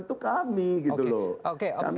itu kami gitu loh